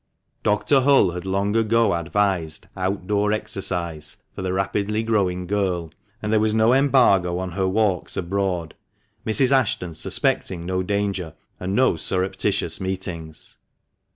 Dr. Hull had long ago advised "out door exercise" for the rapidly growing girl, and there was no embargo on her walks abroad, Mrs. Ashton suspecting no danger, and no surreptitious meetings.